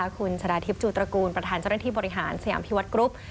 คุณชนะทิพย์จูตระกูลประธานเจ้าหน้าที่บริหารสยามพิวัตกรุ๊ป